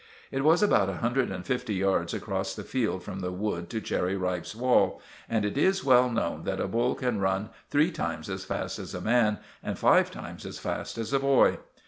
It was about a hundred and fifty yards across the field from the wood to Cherry Ripe's wall, and it is well known that a bull can run three times as fast as a man and five times as fast as a boy.